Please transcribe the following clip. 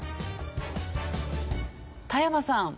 田山さん。